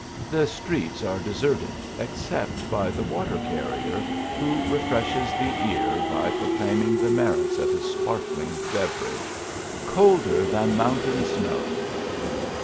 The streets are deserted except by the water carrier, who refreshes the ear by pro claiming the merits of his sparkling beverage, " Colder than mountain snow."